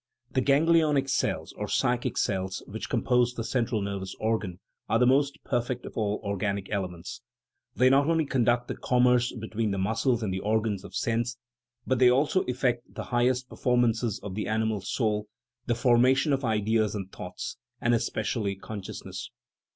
The ganglionic cells, or "psychic cells," which compose the central nervous organ, are the most perfect of all organic elements ; they not only conduct the commerce between the muscles and the organs of sense, but they also effect the highest performances of the animal soul, the formation of ideas and thoughts, and especially consciousness.